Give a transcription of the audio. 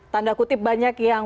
tanda kutip banyak yang